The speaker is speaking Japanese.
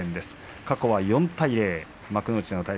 過去は４対０。